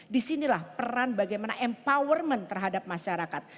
disinilah peran bagaimana empowerment terhadap masyarakat